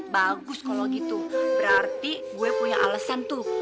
bagus kalau gitu berarti gue punya alasan tuh